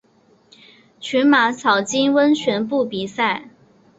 群马草津温泉部比赛。